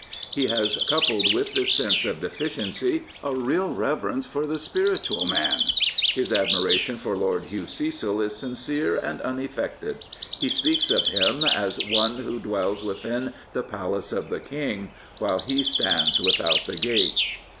He has coupled with this sense of deficiency, a real reverence for the spiritual man. His admiration for Lord Hugh Cecil is sincere and unaffected. He speaks of him as one who dwells within the Palace of the King, while he stands without the gate.